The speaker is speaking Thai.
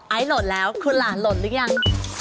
ไอล์โหลดแล้วคุณหลานโหลดหรือยัง